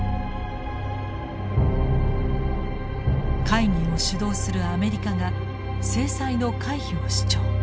会議を主導するアメリカが制裁の回避を主張。